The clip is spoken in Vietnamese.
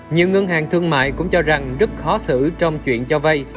nhiều ngân hàng thương mại cũng cho rằng rất khó xử trong chuyện cho vay